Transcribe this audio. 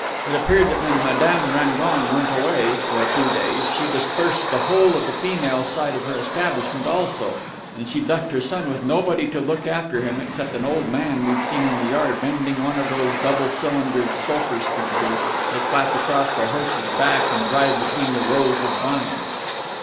It appeared that when Madame Rangon went away for a few days she dispersed the whole of the female side of her establishment also, and she'd left her son with nobody to look after him except an old man we'd seen in the yard mending one of these double cylindered sulphur sprinklers they clap across the horse's back and drive between the rows of vines....